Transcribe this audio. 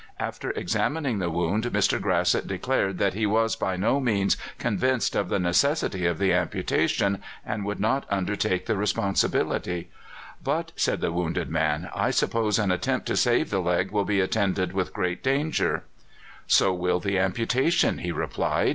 After examining the wound, Mr. Grasset declared that he was by no means convinced of the necessity of the amputation, and would not undertake the responsibility. "But," said the wounded man, "I suppose an attempt to save the leg will be attended with great danger." "So will the amputation," he replied.